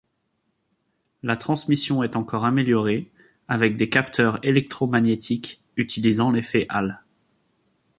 La transmission est encore améliorée, avec des capteurs électro-magnétiques utilisant l'effet Hall.